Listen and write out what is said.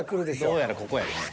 どうやらここやね。